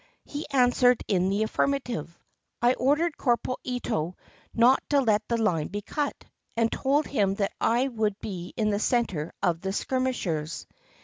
He answered in the afl5rmative. I ordered Corporal Ito not to let the line be cut, and told him that I would be in the center of the skirmishers.